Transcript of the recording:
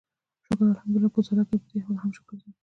شکر الحمدلله ګوزاره کوي، پدې حال هم شکر دی.